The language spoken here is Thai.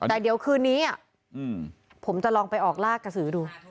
แต่เดี๋ยวคืนนี้ผมจะลองไปออกลากกระสือดู